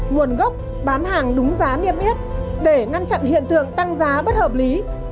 nguồn gốc bán hàng đúng giá niêm yết để ngăn chặn hiện tượng tăng giá bất hợp lý